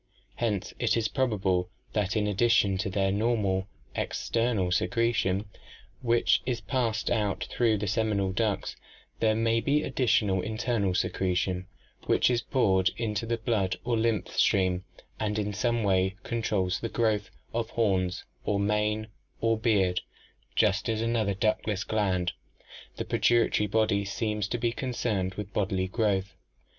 Hence it is probable that in addition to their normal "ex ternal secretion" which is passed out through the seminal ducts, there may be an additional "internal secretion" which is poured into the blood or lymph stream and in some way controls the growth of horns or mane or beard, just as another ductless gland, the pituitary body, seems to be concerned with bodily growth.